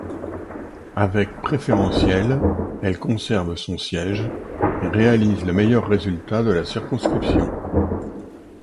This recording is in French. Avec préférentielles, elle conserve son siège et réalise le meilleur résultat de la circonscription.